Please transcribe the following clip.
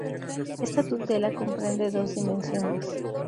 Ésta tutela comprende dos dimensiones.